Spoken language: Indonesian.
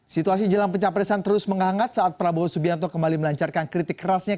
situasi jalan pencapresan terus menghangat saat prabowo subianto kembali melancarkan kritik terhadap pemirsa